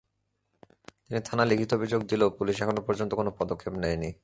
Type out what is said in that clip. তিনি থানায় লিখিত অভিযোগ দিলেও পুলিশ এখনো পর্যন্ত কোনো পদক্ষেপ নেয়নি।